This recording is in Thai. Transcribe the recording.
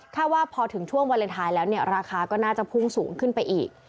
ว่าพอถึงช่วงวาเลนไทยแล้วเนี่ยราคาก็น่าจะพุ่งสูงขึ้นไปอีก